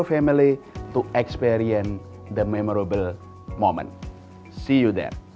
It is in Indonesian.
jadi silakan menjaga kehubungan anda